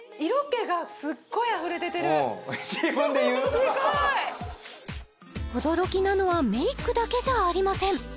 すごい驚きなのはメイクだけじゃありません